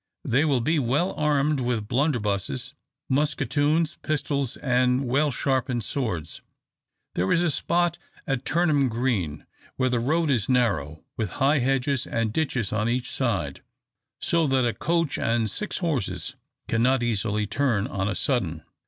They will be well armed with blunderbusses, musketoons, pistols, and well sharpened swords. There is a spot at Turnham Green where the road is narrow, with high hedges and ditches on each side, so that a coach and six horses cannot easily turn on a sudden.